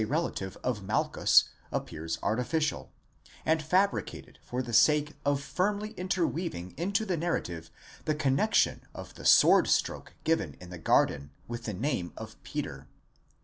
relative of Malchus, appears artificial, and fabricated for the sake of firmly interweaving into the narrative the connexion of the sword stroke given in the garden with the name of Peter.